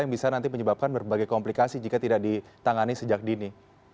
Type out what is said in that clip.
yang bisa nanti menyebabkan berbagai komplikasi jika tidak ditangani sejak dini